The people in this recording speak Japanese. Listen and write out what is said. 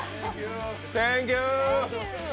センキュー！